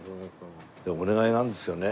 お願いがあるんですけどね